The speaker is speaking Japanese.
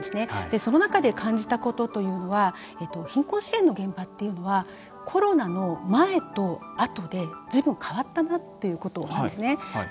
そこで感じたことは貧困支援の現場というのはコロナの前とあとでずいぶん変わったなということなんですね。